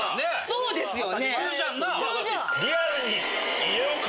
そうですよね。